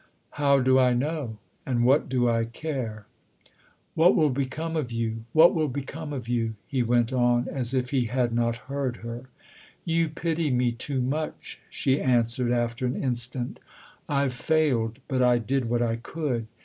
" How do I know and what do I care ?"" What will become of you ? what will become of you ?" he went on as if he had not heard her. "You pity me too much," she answered after an instant. " I've failed, but I did what I could.